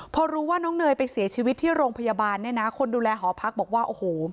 พอรู้ว่าน้องเนยไปเสียชีวิตที่โรงพยาบาลคนดูแลหอพักบอกว่า